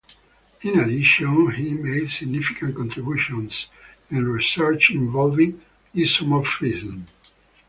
In addition, he made significant contributions in research involving isomorphism.